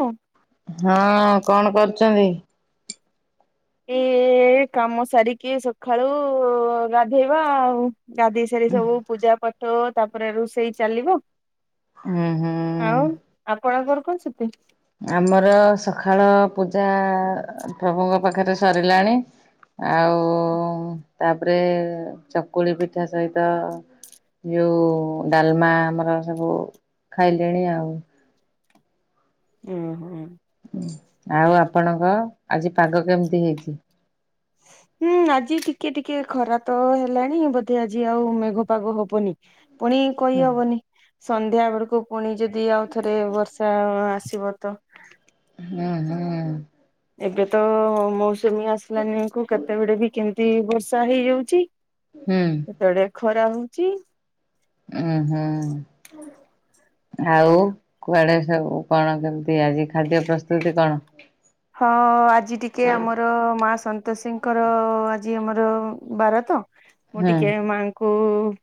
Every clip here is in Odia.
ହଁ। ହଁ କଣ କରୁଚନ୍ତି? ଏ କାମ ସାରିକି ସଖାଳୁ ଉଁ ଗାଧେଇବା ଆଉ, ଗାଧେଇ ସ୍ ଫେରେ ସବୁ ପୂଜା ପାଠ ତାପରେ ରୁଷେଇ ଚାଲିବ। ଉଁ ହୁଁ। ଆପଣ କଣ କରୁଛନ୍ତି? ଆମର ସଖାଳ ପୂଜା ପ୍ରଭୁଙ୍କ ପାଖରେ ସରିଲାଣି। ଆଉ ତାପରେ ଚକୁଳି ପିଠା ସହିତ ଯୋଉ ଡାଲମା ଆମର ସବୁ ଖାଇଲେଣି ଆଉ। ଓ ହୋ। ହୁଁ ଆଉ ଆପଣଙ୍କ ଆଜି ପାଗ କେମିତି ହେଇଚି? ହୁଁ ଆଜି ଟିକେ ଟିକେ ଖରା ତ ହେଲାଣି ବୋଧେ ଆଜି ଆଉ ମେଘ ପାଗ ହବନି। ପୁଣି ହୁଁ କହିହବନି ସନ୍ଧ୍ୟା ବେଳକୁ ପୁଣି ଯଦି ଆଉଥରେ ବର୍ଷା ଅଁ ଆସିବ ତ। ଉଁ ହୁଁ। ଏବେ ତ ମୌସୁମୀ ଆସିଲାନିକୁ କେତେବେଳେ ବି କେମିତି ବର୍ଷା ହେଇଯାଉଚି। ହୁଁ। କେତେ ବେଳେ ଖରା ହଉଚି। ଉମ୍ଁ ହୁଁ। ଆଉ କୁଆଡେ ସବୁ କଣ କେମିତି ଆଜି ଖାଦ୍ୟ ପ୍ରସ୍ତୁତି କଣ? ହଁ ଆଜି ଟିକେ ଆମର ମା ସନ୍ତୋଷୀଙ୍କର ଆଜି ଆମର ବାର ତ ମୁଁ ହୁଁ ଟିକେ ମାଙ୍କୁ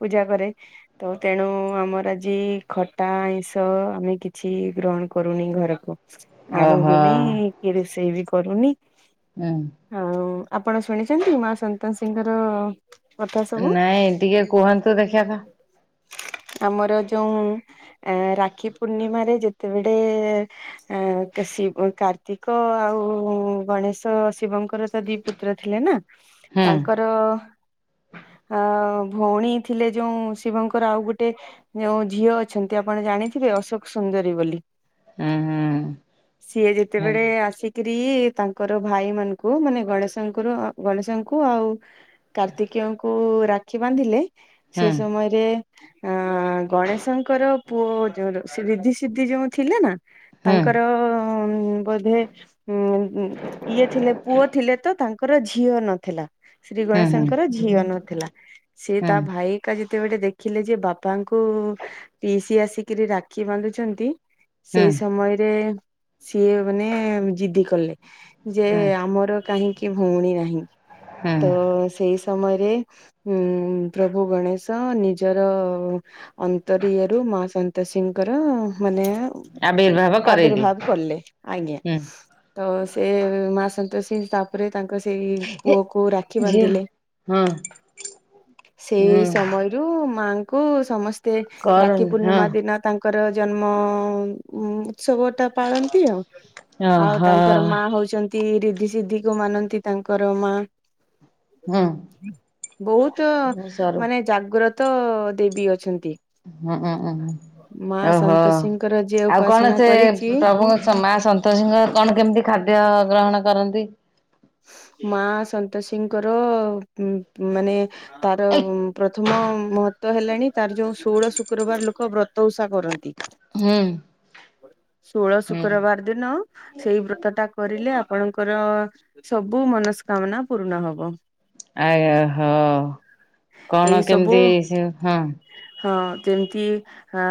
ପୂଜା କରେ। ତ ତେଣୁ ଆମର ଆଜି ଖଟା, ଆଇଁଷ ଆମେ କିଛି ଗ୍ରହଣ କରୁନି ଘର କୁ, ଆଣୁ ଓହୋ ବି ନେଇଁ କି ରୋଷେଇ ବି କରୁନି। ଉଁ। ଆଉ ଆପଣ ଶୁଣିଚନ୍ତି ମା ସନ୍ତୋଷିଙ୍କର ନାଇଁ ଟିକେ କୁହନ୍ତୁ ଦେଖିଆ ତ। ଆମର ଯୋଉଁ ରାକ୍ଷୀ ପୂର୍ଣ୍ଣିମାରେ ଯେତେବେଳେ ଆ କାଶି ଅ କାର୍ତିକ ଆଉ ଗଣେଶ ଶିବଙ୍କର ତ ଦି ପୁତ୍ର ଥିଲେ ନା। ହୁଁ ତାଙ୍କର ଅ ଭଉଣୀ ଥିଲେ ଯୋଉଁ ଶିବଙ୍କ ର ଆଉ ଗୋଟେ ଯୋଉଁ ଝିଅ ଅଛନ୍ତି ଆପଣ ଜାଣିଥିବେ ଅଶୋକ ସୁନ୍ଦରୀ ବୋଲି? ହୁଁ ସିଏ ହୁଁ। ଯେତେବେଳେ ଆସି ସ୍ତ୍ରୀ ତାଙ୍କର ଭାଇ ମାନଙ୍କୁ ମାନେ ଗଣେଶଙ୍କର ଗଣେଶଙ୍କୁ ଆଉ କାର୍ତ୍ତିକେୟଙ୍କୁ ରାକ୍ଷୀ ବାନ୍ଧିଲେ ହୁଁ ହୁଁ ସେ ସମୟରେ ଅଁ ଗଣେଶଙ୍କର ପୁଅ ଯୋଉ ର ସି ରିଧି ସିଧି ଯୋଉଁ ଥିଲେ ନା। ହୁଁ ତାଙ୍କର ଅଁ ବୋଧେ ଉଁ ଏ ଉଁ ଇଏ ଥିଲେ ପୁଅ ଥିଲେ ତ ତାଙ୍କର ଝିଅ ନଥିଲା। ଶ୍ରୀ ହୁଁ ହୁଁ ଗଣେଶଙ୍କର ହୁଁ ଝିଅ ନଥିଲା ସେ ତା ଭାଇକା ଯେତେବେଳେ ଦେଖ୍ ଖିଲେ ଯେ ବାପାଙ୍କୁ ପିଇସି ଆସିକରି ରାକ୍ଷୀ ବାନ୍ଧୁଛନ୍ତି। ହୁଁ ସେଇ ସମୟରେ ସିଏ ମାନେ ଜିଦି କଲେ। ଯେ ହୁଁ ଆମର କାହିଁକି ଭଉଣୀ ନାହିଁ? ହୁଁ ତ ସେଇ ସମୟରେ ଉଁ ପ୍ରଭୁ ଗଣେଶ ନିଜର ଅନ୍ତରିୟ ରୁ ମା ସନ୍ତୋଷୀଙ୍କର ମାନେ ଆବିର୍ଭାବ କରେଇଦେ ଆବିର୍ଭାବ୍‌କଲେ, ଆଜ୍ଞା ହୁଁ ତ ସେ ମା ସନ୍ତୋଷୀ ତା ରେ ତାଙ୍କ ସେଇ ହେ ପୁଅକୁ ରାକ୍ଷୀ ଝିଅ ବାନ୍ଧିଲେ। ହଁ ହୁଁ ସେଇ ସମୟରୁ ମାଙ୍କୁ ସମସ୍ତେ ରାକ୍ଷୀ କରନି ହଁ ପୂର୍ଣ୍ଣିମା ଦିନ ତାଙ୍କର ଜନ୍ମ ଉ ଉତ୍ସବ ଟା ପାଳନ୍ତି ଆଉ। ଆଉ ଓହୋ ତାଙ୍କର ମା ହଉଛନ୍ତି ରିଧି ସିଧି କୁ ମାନନ୍ତି ତାଙ୍କର ମା। ହୁଁ ବହୁତ ମୁଁ ସରୁ ମାନେ ଜାଗ୍ରତ ଦେବୀ ଅଛନ୍ତି। ଅଁ ଅଁ। ମା ସନ୍ତୋଷିଙ୍କର ଆଉ କଣ ସେ ପ୍ରଭୁଙ୍କ ମା ସନ୍ତୋଷୀଙ୍କର କଣ କେମିତି ଖାଦ୍ୟ ଗ୍ରହଣ କରନ୍ତି? ମା ସନ୍ତୋଷୀଙ୍କର ଉଁମ୍ ମାନେ ତାର ଏଇ ପ୍ରଥମ ମହତ୍ଵ ହେଲାଣି ତାର ଯୋଉ ଷୋହଳ ଶୁକ୍ରବାର ଲୋକ ବ୍ରତ୍ ଓଷା କରନ୍ତି। ହୁଁ। ଷୋଳ ହୁଁ ଶୁକ୍ରବାର ଦିନ ସେଇ ବ୍ରତ ଟା କରିଲେ ଆପଣଙ୍କର ସବୁ ମନସ୍କାମନା ପୂର୍ଣ୍ଣ ହବ। ଆଜ୍ଞା ହ କଣ ଏଇ ସବୁ କେମିତି ସେ ହଁ। ହଁ ଯେମ୍‌ତି ହଁ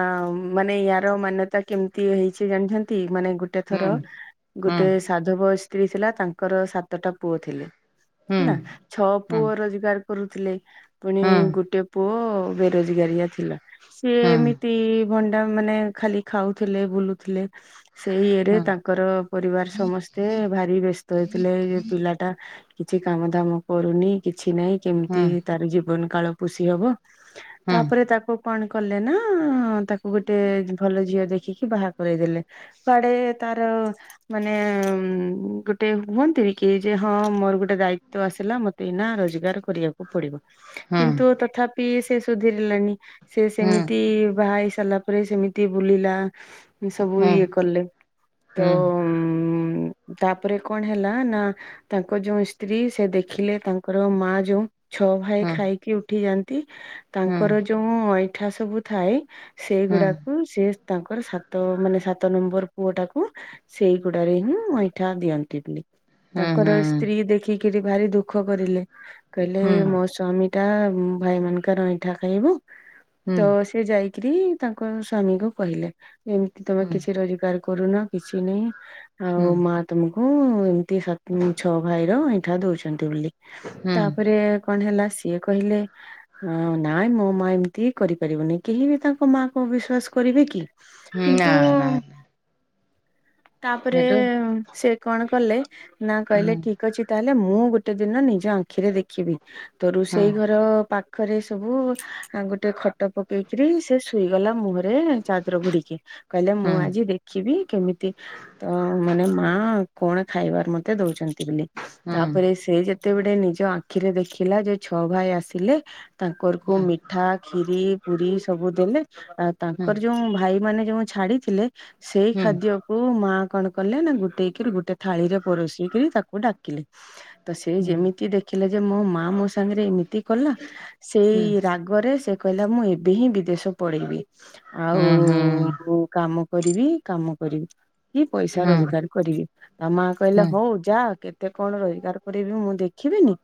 ମାନେ ୟାର ମାନ୍ୟତା କେମିତି ହେଇଛି ଜାଣିଛନ୍ତି ମାନେ ଗୋଟ୍ ଗୋଟେ ହୁଁ ଥର ହୁଁ ଗୋଟେ ସାଧବ ସ୍ତ୍ରୀ ଥିଲା ତାଙ୍କର ସାତଟା ପୁଅ ଥିଲେ। ହୁଁ ନା ଛଅ ହୁଁ ପୁଅ ରୋଜଗାର କରୁଥିଲେ ପୁଣି ହୁଁ ଗୋଟେ ପୁଅ ବେରୋଜଗାରିଆ ଥିଲା ସିଏ ହୁଁ ଏମିତି ପଣ୍ଡା ମାନେ ଖାଲି ଖାଉଥିଲେ ବୁଲୁଥିଲେ। ସେଇ ଇଏରେ ହୁଁ ତାଙ୍କର ପରିବାର ସମସ୍ତେ ଭାରି ବ୍ୟସ୍ତ ହେଇଥିଲେ ଏଇ ପିଲା ଟା କିଛି କାମଦାମ କରୁନି କିଛି ନାହିଁ ହୁଁ ହୁଁ କେମିତି ତାର ଜୀବନ କାଳ ପୋଷି ହବ? ହୁଁ ତାପରେ ତାକୁ କଣ କଲେ ନା ତାକୁ ଗୋଟେ ଭଲ ଝିଅ ଦେଖିକି ବାହାଘ୍ କରେଇଦେଲେ ସାଡେ ତାର ମାନେ ଉଁ ଗୋଟେ ହୁଅନ୍ତିନି। କିଏ ଯେ ହଁ ମୋର ଗୋଟେ ଦାୟିତ୍ଵ ଆସିଲା ମତେ ଏଇନା ରୋଜଗାର କରିବାକୁ ପଡିବ ହୁଁ ହୁଁ ହୁଁ ହୁଁ ହୁଁ ହୁଁ ହୁଁ ହୁଁ ହୁଁ ହୁଁ ହୁଁ କିନ୍ତୁ ତଥାପି ସେ ସୁଧୁରିଲାନି। ସେ ସେମିତି ବାହା ହେଇ ସାରିଲା ପରେ ସେମିତି ବୁଲିଲା ସବୁ ଇଏ କଲେ ତ ଉଁ ତା ତାପରେ କଣ ହେଲା ନା ତାଙ୍କ ଯୋଉ ସ୍ତ୍ରୀ ସେ ଦେଖିଲେ ତାଙ୍କର ମା ଯୋଉ ଛଅ ଭାଇ ଖାଇକି ଉଠି ଯାଆନ୍ତି ତାଙ୍କର ଯୋଉଁ ଅଇଁଠା ସବୁ ଥାଏ ସେଇଗୁଡାକୁ ସେ ତାଙ୍କର ସାତ ମାନେ ସାତ ନମ୍ବର ପୁଅ ଟାକୁ ସେଇଗୁଡାରେ ହିଁ ଅଇଁଠା ଚା ଦିଅନ୍ତି ବି ତାଙ୍କର ସ୍ତ୍ରୀ ଦେଖିକିରି ଭାରି ଦୁଃଖ କରିଲେ। କହିଲେ ମୋ ହୁଁ ସ୍ଵାମୀ ଟା ଭାଇ ମାନଙ୍କ ର ଅଇଁଠା ଖାଇବ ତ ହୁଁ ହୁଁ ସେ ଯାଇକିରି ତାଙ୍କ ସ୍ଵାମୀ କୁ କହିଲେ ଏମିତି ତମେ କିଛି ରୋଜଗାର କରୁନା କିଛି ନାଇଁ ଆଉ ମା ତମକୁ ଏମତି ଛଅ ଭାଇ ର ଅଇଁ ଅଇଁଠା ଦଉଛନ୍ତି ବୋଲି ତାପରେ କଣ ହେଲା ସିଏ କହିଲେ ହଁ ନାଇଁ ମୋ ମା ଏମିତି କରିପାରିବନି। କେହି ବି ତାଙ୍କ ମାଆ କୁ ଅବିଶ୍ଵାସ କରିବେ କି। କିନ୍ତୁ ନା-ନା। ତାପରେ ସେ କଣ କଲେ ନା କହିଲେ ହୁଁ ଠିକ ଅଛି। ତାହେଲେ ମୁଁ ଗୋଟେ ଦିନ ନିଜ ଆଖିରେ ଦେଖିବି ତୋ ରୋଷେଇ ହୁଁ ଘର ପା ପାଖରେ ସବୁ ଗୋଟେ ଖଟ ପକେଇକିରି ସେ ଶୋଇଗଲା ମୁହଁରେ ରେ ଚାଦର ଘୁଡିକି କହିଲା ହୁଁ ମୁଁ ହୁଁ ଆଜି ଦେଖିବି କେମିତି ତ ମାନେ ଆହଁ କଣ ଖାଇବାର ମତେ ଦଉଛନ୍ତି ବୋଲି ହୁଁ ହୁଁ ହୁଁ ହୁଁ ତାପରେ ସେ ଯେ ଯେତେବେଟେ ନିଜ ଆଖିରେ ଦେଖିଲା ଯେ ଛଅ ଭାଇ ଆସିଲେ। ତାଙ୍କର ହୁଁ ହୁଁ ହୁଁ ହୁଁ ହୁଁ କୁ ମିଠା ଖିରି ପୁରୀ ସବୁ ଦେଲେ। ଆ ତାଙ୍କର ଯେଉଁ ଭାଇ ମାନେ ଯେଉଁ ଛାଡିଥିଲେ ସେଇ ଖାଦ୍ୟକୁୁ ମା କଣ କଲେ ନା ଗୋ ଗୋଟେଇକିରି ଗୋଟେ ଥାଳିରେ ପରସିକିରି ତାକୁ ଡାକିଲେ, ତ ସେ ଯେମିତି ଦେଖ ଦେଖିଲେ ଯେ ମୋ ମା ମୋ ସାଙ୍ଗରେ ଏମିତି କଲା ସେଇ ରାଗରେ ସେ କହିଲା ମୁଁ ଏବେ ହିଁ ବିଦେଶ ପଳେଇବି ଆଉ ମୁଁ କାମ କରିବି କାମ କରିବି କି ପଇସା ରୋଜଗାର କରିବି ତା ମା କହିଲା ହଉ ଯା କେତେ କଣ ରୋଜଗାର କରିବି ମୁଁ ଦେଖିବିନି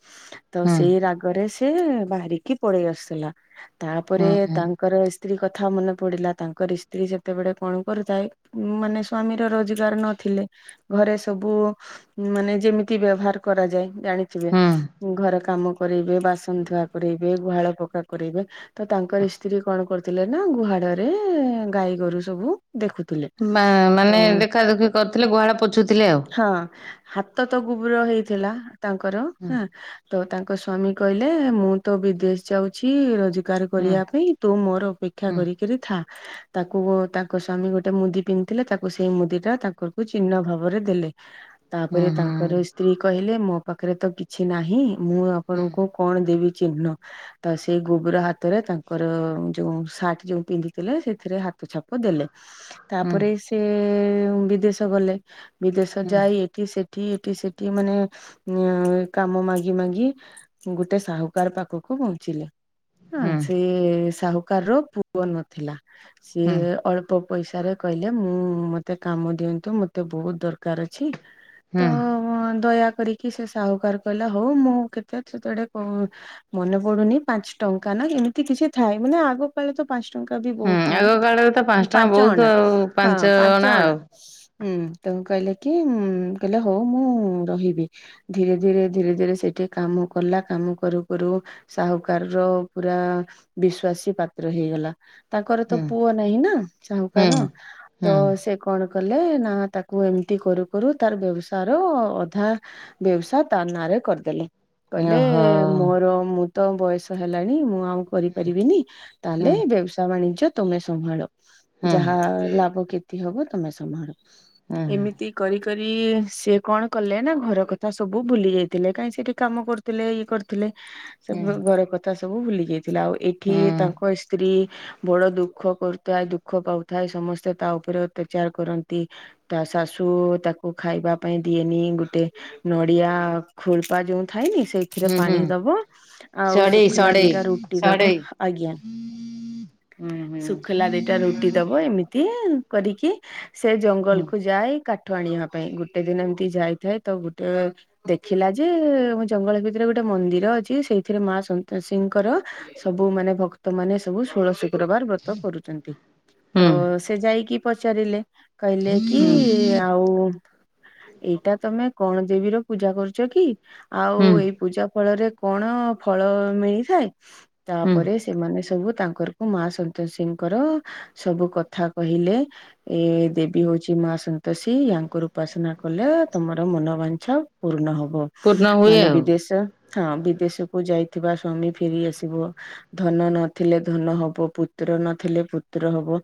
ତ ସେଇ ରାଗରେ ସେ ବାହାରିକି ପଳେଇ ଆସୁଥିଲା ତାପରେ ହୁଁ ହୁଁ ତାଙ୍କର ସେ ସ୍ତ୍ରୀ କଥା ମନେ ପଡ଼ିଲା ତାଙ୍କର ସ୍ତ୍ରୀ ସେତେବେଳେ କଣ କରୁଥାଏ ମାନେ ସ୍ଵାମୀର ରୋଜଗାର ନଥିଲେ ଘରେ ସବୁ ମାନେ ଯେମିତି ବ୍ୟବହାର କରାଯାଏ ଜାଣିଥିବେ ହୁଁ ଘରେ କାମ କରେଇବେ ବାସନଧୁଆ କରେଇବେ ଗୁହାଳ ପକା କରେଇବେ ତ ତାଙ୍କର ସ୍ତ୍ରୀ କଣ କରୁଥିଲେ ନା ଗୁହାଳରେ ଗାଈ ଗୋରୁ ସବୁ ଦେଖୁଥିଲେ। ନାଁ ତ ମାନେ ଦେଖାଦୁଖି କରୁଥିଲେ ଗୁହାଳ ପୋଛୁଥିଲେ ଆଉ। ହଁ ହାତ ତ ଗୁବର ହେଇଥିଲା ତାଙ୍କର ହୁଁ। ତ ତାଙ୍କ ସ୍ଵାମୀ କହିଲେ ମୁଁ ତ ବିଦେଶ ଯାଉଛି ରୋଜ ରୋଜଗାର ହୁଁ କରିବା ପାଇଁ ତୁ ମୋର ଅପେକ୍ଷା କରିି ହୁଁ କିରି ଥା ତାକୁ ତାଙ୍କ ସ୍ଵାମୀ ଗୋଟେ ମୁଦି ପିନ୍ଧିଥିଲେ ତାକୁ ସେଇ ମୁଦିଟା ତାକୁ ଚିହ୍ନ ଭାବରେ ଦେଲେ ତାପରେ ତା ହୁଁ ତାଙ୍କର ସ୍ତ୍ରୀ କହିଲେ ମୋ ପାଖରେ ତ କିଛି ନାହିଁ ମୁଁ ହୁଁ ଆପଣଙ୍କୁ କଣ ଦେବି ଚିହ୍ନ ତ ସେଇ ଗୋବର ହାତରେ ତାଙ୍କର ଯୋଉ ସାର୍ଟ ଯୋଉ ପିନ୍ଧିଥିଲେ ସେଥିରେ ହାତ ଛାପ ଦେଲେ। ହୁଁ ତାପରେ ସେ ବିଦେଶ ଗଲେ ବିଦେଶ ହୁଁ ଯାଇ ଏଠି ସେଠି ଏଠି ସେଠି ମାନେ ଉ କାମ ମାଗି ମାଗି ଗୋଟେ ସାହୁକାର ପାଖକୁ ପହଞ୍ଚିଲେ। ହ ହୁଁ ସିଏ ସାହୁକାର ପୁଅ ନଥିଲା ସିଏ ହୁଁ ଅଳ ଅଳ୍ପ ପଇସାରେ କହିଲେ ମୁଁ ମତେ କାମ ଦିଅନ୍ତୁ ମତେ ବହୁତ୍ ଦରକାର୍ ଅଛି ହୁଁ ତ ଦୟା କରିକି ସେ ସାହୁକାର କହିଲା ହଉ ମୁଁ କେତେ ସେତେବେଳେ କହୁ ମନେ ପଡ଼ୁନି ପାଞ୍ଚ ଟଙ୍କା ନା ଏମିତି କିଛି ଥାଏ ମାନେ ଆଗ ଆଗକାଳେ ତ ପାଞ୍ଚ ଟଙ୍କା ବି ହୁଁ ବହୁତ୍ ଥାଏ ଆଗ କାଳରେ ତ ନାଁ ଟଙ୍କା ପାଞ୍ଚ ବହୁତ ଅଣା ଆଉ ହଁ ପାଞ୍ଚ ଆଉ ଅଣା ହୁଁ ତେଣୁ କହିଲେ କି କହିଲେ ହଉ ମୁଁ ରହିବି। ଧୀରେ ଧୀରେ ଧୀରେ ଧୀରେ ସେଇଠି କାମ କଲା କାମ କରୁ କରୁ ସାହୁକାରର ପୁରା ବିଶ୍ବାସୀ ପାତ୍ର ହେଇଗଲା। ତାଙ୍କର ତ ହୁଁ ପୁଅ ନାହିଁ ନା ହୁଁ। ସାହୁକାରର ତ ହୁଁ ସେ କଣ କଲେ ନା ତାକୁ ଏମିତି କରୁ କରୁ ତାର ବ୍ୟବସାୟର ଅଧା ବ୍ୟବସାୟ ତା ନାଁ ରେ କରିଦେଲେ। କହିଲେ ଓହୋ ମୋର ମୁଁ ତ ବୟସ ହେଲାଣି ମୁଁ ଆଉ କରିପାରିବିନି ହୁଁ ତାହେଲେ ବ୍ୟବସା ବାଣିଜ୍ୟ ତମେ ସମ୍ଭାଳ ହୁଁ ଯାହା ଲାଭ କ୍ଷେ ତି ହବ ତମେ ସମ୍ଭାଳ ହୁଁ ଏମିତି କରି କରି ସିଏ କଣ କଲେ ନା ଘର କଥା ସବୁ ଭୁଲି ଯାଇଥିଲେ କାଇଁ ସେଠି କାମ କରୁ ଥିଲେ ଇଏ କରିଥିଲେ ସେ ହୁଁ ଘର କଥା ସବୁ ଭୁଲି ଯାଇଥିଲେ ଆଉ ଏଠି ହୁଁ ତାଙ୍କ ସ୍ତ୍ରୀ ବଡ ଦୁଃଖ କରୁଥାଏ ଦୁଃଖ ପାଉଥାଏ ସମସ୍ତେ ତା ଉପରେ ଅତ୍ୟାଚାର କର ତି ତା ଶାଶୁ ତାକୁ ଖାଇବା ପାଇଁ ଦିଏନି ଗୋଟେ ନଡ଼ିଆ ଖୋଳପା ଯୋଉ ଥାଏନି ସେଇ ଥିରେ ହୁଁ ହୁଁ ପାଣି ଦବ ଆଉ ସଢେଇ ଶୁଖିଲା ସଢେଇ ଦିଟା ରୁଟି ଦବ ସଢେଇ ଆଜ୍ଞା। ହୁଁ ହୁଁ ଶୁଖିଲା ଦିଟା ରୁଟି ଦବ ଏମିତି କରିକି ସେ ହୁଁ ଜଙ୍ଗଲକୁ ଯାଏ କାଠ ଆଣିବା ପାଇଁ ଗୋଟେ ଦିନ ଏମିତି ଯାଇଥାଏ ତ ଗୋଟେ ଦେଖିଲା ଯେ ଜଙ୍ଗଲ ଭିତରେ ଗୋଟେ ମନ୍ଦିର ଅଛି ସେଇଥିରେ ମା ଶନ୍ତୋସିଙ୍କର ସବୁ ମାନେ ଭକ୍ତ ମାନେ ସବୁ ଷୋଳଶୁ ଶୁକ୍ରବାର ବ୍ରତ କରୁଚନ୍ତି ତ ହୁଁ ସେ ଯାଇକି ପଚାରିଲେ। କହିଲେ କି ହୁଁ ଆଉ ଏଇଟା ତମେ କଣ ଦେବୀର ପୂଜା କରୁଚ କି? ଆଉ ହୁଁ ଏଇ ପୂଜା ଫଳରେ କଣ ଫଳ ମିଳିଥାଏ ହୁଁ ତାପରେ ସେ ସେମାନେ ସବୁ ତାଙ୍କର ଙ୍କୁ ମା ସନ୍ତୋଷିଙ୍କର ସବୁ କଥା କହିଲେ। ଏ ଦେବୀ ହଉଚି ମା ସନ୍ତୋଷୀ ୟାଙ୍କର ଉପାସନା କଲେ ତମର ମନବାଂଛା ପୂର୍ଣ ହବ। ପୂର୍ଣ୍ଣ ହୁଏ ମାନେ ଆଉ ବିଦେଶ ହଁ ବିଦେଶକୁୁ ଯାଇଥିବା ସ୍ଵାମୀ ଫେରି ଆସିବ। ଧନ ନଥିଲେ ଧନ ହବ ପୁତ୍ର ନଥିଲେ ପୁତ୍ର ହବ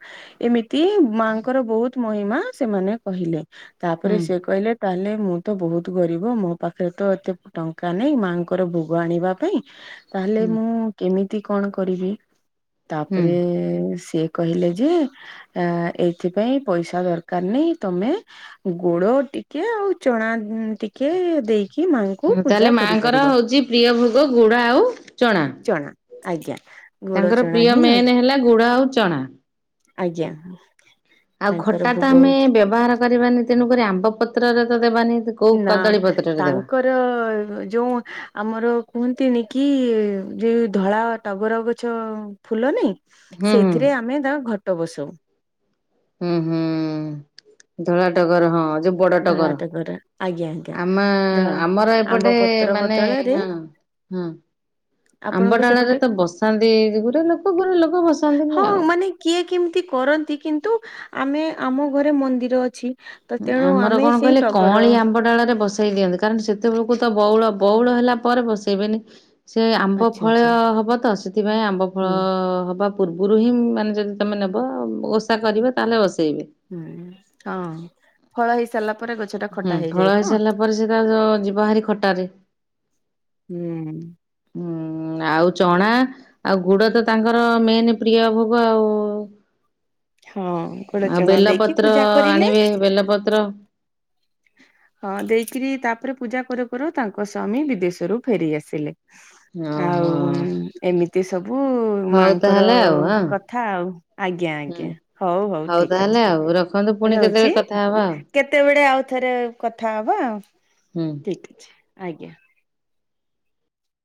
ଏମିତି ମ ମା ଙ୍କର ବୋହୁତ ମହିମା ସେମାନେ କହିଲେ ତାପରେ ହୁଁ ସେ କହିଲେ ତାହେଲେ ମୁଁ ତ ବୋହୁତ ଗରିବ ମୋ ପାଖରେ ତ ଏତେ ଟଙ୍କା ନାହିଁ ମାଆଙ୍କର ଭୋଗ ଆଣିବା ପାଇଁ ତାହେଲେ ହୁଁ ମୁଁ କେମିତି କଣ କରିବି? ତାପରେ ହୁଁ। ସେ କହିଲେ ଯେ ଏଇ ଏଥିପାଇଁ ପଇସା ଦରକାର ନାଇଁ ତମେ ଗୁଡ ଟିକ୍ ଟିକେ ଆଉ ଚଣା ଟିକେ ଦେଇକି ମାଙ୍କୁ ତାହେଲେ ପୂଜା ମାଙ୍କର କରିପାରିବ। ହଉଛି ପ୍ରିୟ ଭୋଗ ଗୁଡ ଆଉ ଚଣା। ଆଜ୍ଞା। ଗୋଡ ତାଙ୍କର ଚଣା ପ୍ରିୟ ହିଁ ମେନ୍ ହଉଛି ହେଲା ଗୁଡ଼ ଆଉ ଚଣା। ଆଜ୍ଞା। ଆଉ ତାଙ୍କର ଖଟା ତ ଭୋଗ ଆମେ ହଉଛି ବ୍ୟବହାର କରିବାନି ତେଣୁକରି ଆମ୍ବ ପତ୍ରରେ ତ ଦେବାନି ତାକୁ କୋଉ କଦଳୀପତ୍ରରେ ଦେବା ଆ ଯୋଉ ଆମର କୁହନ୍ତିନି କି ଯେ ଧଳା ଟଗର ଗଛ ଫୁଲ ନାଇ ହୁଁ ସେଇଥିରେ ହୁଁ ଆମେ ତା ଘଟ ବସଉ। ହୁଁ ହୁଁ ଧଳା ଟଗର ହଁ ଯୋଉ ଧଳା ବଡଟଗର ଟଗର ଆଜ୍ଞା ଆଜ୍ଞା। ଆମେ ଧ ଆମର ଆମ୍ବ ଏପଟେ ପତ୍ର ମାନେ ବଦଳରେ ହଁ। ହୁଁ। ଆମ୍ବ ଆପଣଙ୍କ ସେପଟେ ଡାଳରେ ତ ବସାନ୍ତି ଗୁରେ ଲୋକ ଗୁରେ ଲୋକ ପରେ ଲୋକ ହଁ ବସାନ୍ତିନି ଆଉ। ମାନେ କିଏ କେମିତି କରନ୍ତି କିନ୍ତୁ ଆମେ ଆମ ଘରେ ମନ୍ଦିର ଅଛି। ତ ତେଣୁ ଆମର ଆମେ କଣ ସେଇ କହିଲେ ଟଗର କଅଁଳି ଆମ୍ବଡାଳରେ ବସେଇ ଦିଅନ୍ତି। କାରଣ ସେତେବେଳକୁ ତ ବଉଳ ବଉଳ ହେଲା ପରେ ବସେଇବେନି। ସେ ଆମ୍ବ ଆଚ୍ଛା ଫଳ ଆଚ୍ଛା ହବ ତ ସେଥିପାଇଁ ଆମ୍ବ ଫଳ ହୁଁ ହବା ପୂର୍ବରୁ ହିଁ ମାନେ ଯଦି ତୁମେ ନେବ ଓଷା କରିବେ ତାହେଲେ ବସେଇବେ। ହୁଁ ହଁ ଫଳ ହେଇ ସାରିଲା ପରେ ଗଛ ଟା ଖଟା ହେଇଯାଏ ତ। ତା ପରେ ସେଟା ତା ଯିବା ହାରି ଖଟାରେ। ହୁଁ। ହୁଁ ଆଉ ଚଣା ଆଉ ଗୁଡ ତ ତାଙ୍କର ମେନ ପ୍ରିୟ ଭୋଗ ଆଉ। ହଁ ଗୁଡ ଆଉ ଚଣା ଦେଇକି ବେଲପତ୍ର ପୂଜା କରିଲେ ଆଣିବେ ବେଲପତ୍ର। ହଁ ଦେଇକିରି ତାପରେ ପୂଜା କରୁ କରୁ ତାଙ୍କ ସ୍ୱାମୀ ବିଦେଶରୁ ଫେରି ଆସିଲେ। ଓହୋ ଆଉ ଏମିତି ସବୁ ହଉ ମାଙ୍କର ତାହେଲେ ଆଉ ହଁ କଥା ଆଉ। ଆଜ୍ଞା ହୁଁ ଆଜ୍ଞା ହଉ ହଉ ଠିକ ତାହେଲେ ଆଉ ରଖନ୍ତୁ ଅଛି ପୁଣି କେତେବେଳେ ରହୁଚି କଥା ହବା ଆଉ କେତେବେଳେ ଆଉ ଥରେ କଥା ହବା ହୁଁ। ଠିକ୍ ଅଛି ଆଜ୍ଞା।